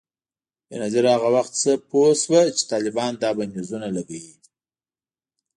بېنظیره هغه وخت څه پوه شوه چي طالبان دا بندیزونه لګوي؟